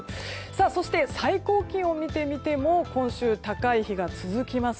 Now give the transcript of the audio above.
そして最高気温を見ても今週は高い日が続きます。